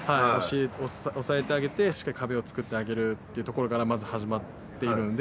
押さえてあげてしっかり壁を作ってあげるというところからまず始まっているので。